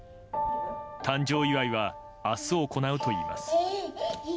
誕生祝いは明日行うといいます。